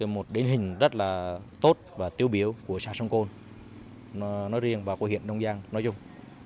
một định hình rất là tốt và tiêu biểu của xã sông côn nói riêng và của hiện đông giang nói chung